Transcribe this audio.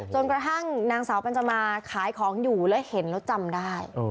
จนกระทั่งนางสาวปัญจมาขายของอยู่แล้วเห็นแล้วจำได้